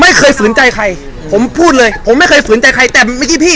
ไม่เคยสื่นใจใครผมพูดเลยผมไม่เคยสื่นใจใครแต่ไม่ที่พี่